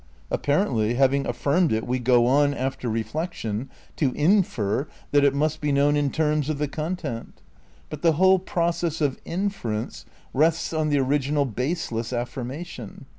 Apparently, having affirmed it, we go on, after reflection, to infer that it ni THE CRITICAL PREPARATIONS 129 must be known in terms of the content. But the whole process of inference rests on the original baseless affirmation.